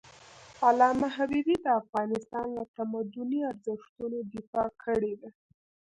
علامه حبيبي د افغانستان له تمدني ارزښتونو دفاع کړی ده.